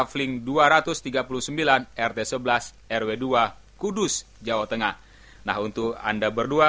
bila aku sangat murung